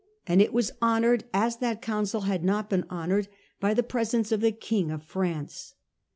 and it was honoured, as that council had not been honoured, by the presence of the king of France.